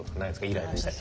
イライラしたり。